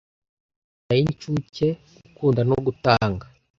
Injyana y'incuke Gukunda no Gutanga